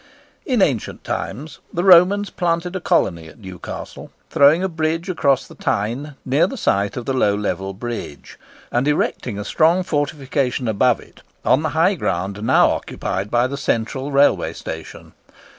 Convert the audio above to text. In ancient times the Romans planted a colony at Newcastle, throwing a bridge across the Tyne near the site of the low level bridge shown in the prefixed engraving, and erecting a strong fortification above it on the high ground now occupied by the Central Railway Station.